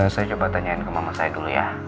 saya coba tanyain ke mama saya dulu ya